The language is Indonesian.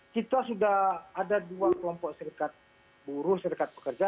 kita sudah ada dua kelompok serikat buruh serikat pekerja